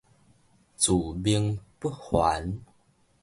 自命不凡